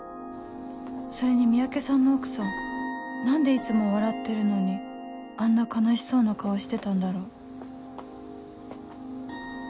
それに三宅さんの奥さん何でいつも笑ってるのにあんな悲しそうな顔してたんだろう？